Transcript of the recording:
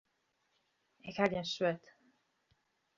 Ik ha gjin swurd.